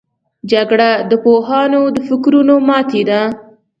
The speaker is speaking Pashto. جګړه د پوهانو د فکرونو ماتې ده